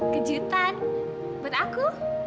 kejutan buat aku